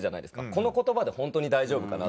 この言葉でホントに大丈夫かな？